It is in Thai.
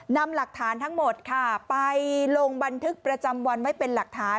นำหลักฐานทั้งหมดค่ะไปลงบันทึกประจำวันไว้เป็นหลักฐาน